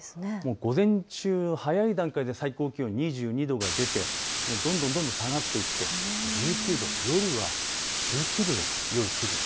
午前中の早い段階で最高気温２２度が出て、どんどん下がっていって１９度、夜は１９度です。